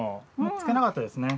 つけなかったですね。